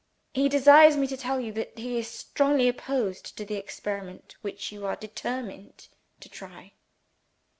He desires me to tell you that he is strongly opposed to the experiment which you are determined to try."